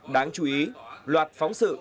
đáng chú ý loạt phóng sự